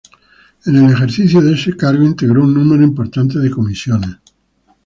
En el ejercicio de ese cargo, integró un número importante de comisiones.